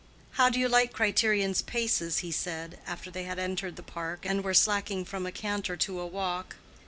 "How do you like Criterion's paces?" he said, after they had entered the park and were slacking from a canter to a walk.